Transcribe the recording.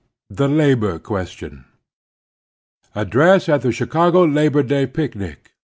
THE LABOR QUESTION At thb Chicago Labor Day Picnic.